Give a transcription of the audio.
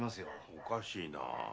おかしいなあ？